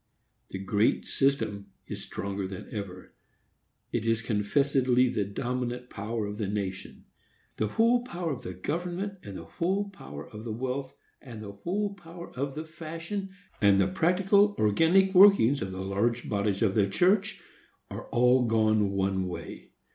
The great system is stronger than ever. It is confessedly the dominant power of the nation. The whole power of the government, and the whole power of the wealth, and the whole power of the fashion, and the practical organic workings of the large bodies of the church, are all gone one way.